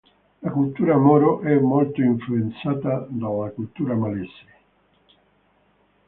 La cultura Moro è molto influenzata dalla cultura malese.